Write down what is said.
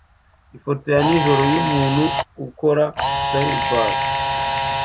Ifoto ya nijoro yumuntu ukora fireball